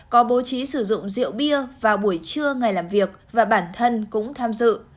có bố trí sử dụng rượu bia vào buổi trưa ngày làm việc và bản thân cũng tham dự